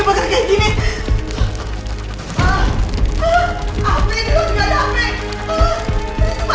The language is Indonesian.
mana ini kenapa ini berguna